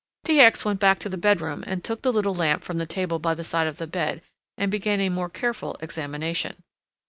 T. X. went back to the bedroom and took the little lamp from the table by the side of the bed and began a more careful examination.